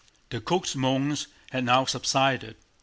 The cook's moans had now subsided.